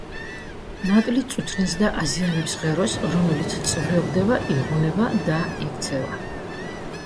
მატლი წუწნის და აზიანებს ღეროს, რომელიც წვრილდება, იღუნება და იქცევა.